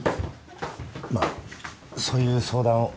まあそういう相談を。